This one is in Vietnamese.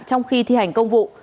trong khi thi hành công vụ